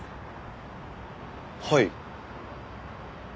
はい。